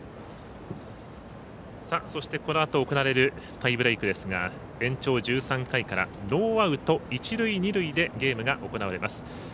そして、このあと行われるタイブレークですが延長１３回からノーアウト、一塁二塁でゲームが行われます。